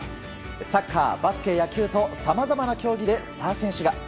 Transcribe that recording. サッカー、バスケ、野球とさまざまな競技でスター選手が。